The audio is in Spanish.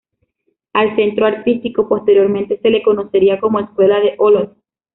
Al Centro Artístico, posteriormente, se le conocería como Escuela de Olot.